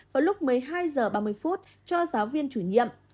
vào lúc một mươi hai h ba mươi cho giáo viên chủ nhiệm